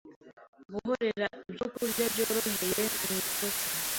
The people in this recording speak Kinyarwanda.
Guhorera ibyokurya byorohereye ni ikosa.